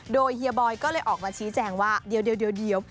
โดยเฮียบอยก็เลยออกมาชี้แจงว่าเดี๋ยว